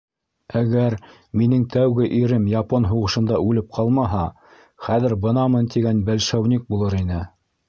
Әгәр минең тәүге ирем япон һуғышында үлеп ҡалмаһа, хәҙер бынамын тигән бәлшәүник булыр ине.